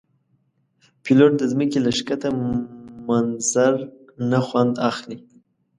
پیلوټ د ځمکې له ښکته منظر نه خوند اخلي.